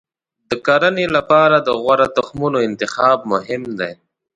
د کرنې لپاره د غوره تخمونو انتخاب مهم دی.